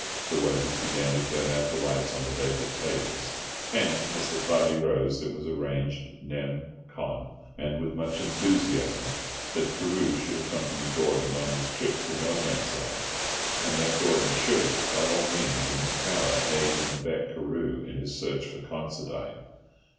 The waiters began to turn out the lights on the vacant tables; and, as the party rose it was arranged nem. con., and with much enthusiasm, that Carew should accompany Gordon on his trip to No Man's Land, and that Gordon should, by all means in his power, aid and abet Carew in his search for Considine.